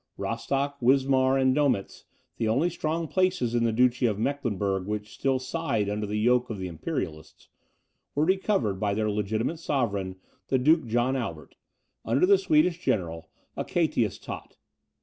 Rostock, Wismar, and Doemitz, the only strong places in the Duchy of Mecklenburg which still sighed under the yoke of the Imperialists, were recovered by their legitimate sovereign, the Duke John Albert, under the Swedish general, Achatius Tott.